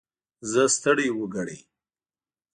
زه ستړی وګړی.